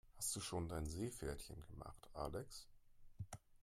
Hast du schon dein Seepferdchen gemacht, Alex?